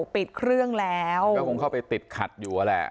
ปิดเครื่องแล้วก็คงเข้าไปติดขัดอยู่นั่นแหละ